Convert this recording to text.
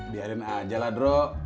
biarin aja lah nro